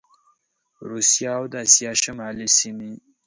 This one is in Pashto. روسیه او د اسیا شمالي سیمي